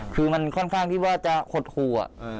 คือมันค่อนข้างที่ว่าจะหดหู่